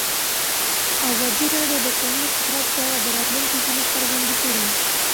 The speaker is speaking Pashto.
ازادي راډیو د د کانونو استخراج په اړه د راتلونکي هیلې څرګندې کړې.